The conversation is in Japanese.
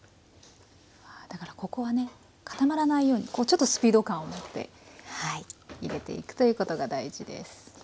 だからここはね固まらないようにこうちょっとスピード感を持って入れていくということが大事です。